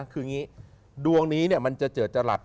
คือดวงนี้มันจะเจอจรัส